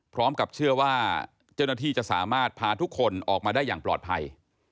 พร้อมกับเชื่อว่าเจ้าหน้าที่จะสามารถพาทุกคนออกมาได้อย่างปลอดภัย